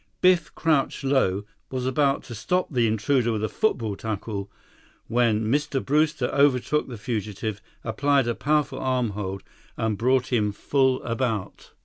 Biff, crouched low, was about to stop the intruder with a football tackle when Mr. Brewster overtook the fugitive, applied a powerful arm hold, and brought him full about.